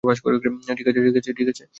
ঠিক আছে, ঠিক আছে।